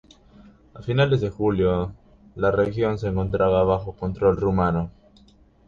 A finales de julio la región se encontraba bajo control rumano.